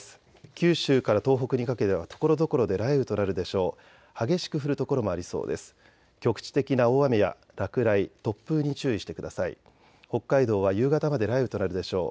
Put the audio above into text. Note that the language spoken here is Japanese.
九州から東北にかけてはところどころで雷雨となるでしょう。